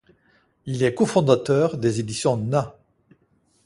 Il est cofondateur des éditions Na.